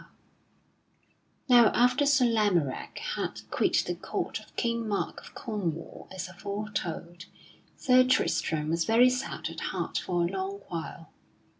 _ Now after Sir Lamorack had quit the court of King Mark of Cornwall as aforetold, Sir Tristram was very sad at heart for a long while.